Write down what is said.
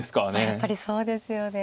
やっぱりそうですよね。